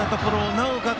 なおかつ